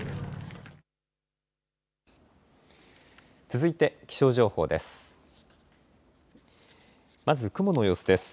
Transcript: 続いて気象情報です。